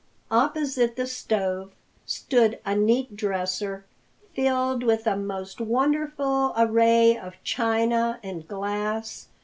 Opposite the stove stood a neat dresser, filled with a most wonderful array of china and glass.